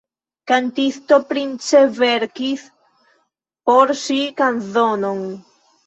Kantisto Prince verkis por ŝi kanzonon.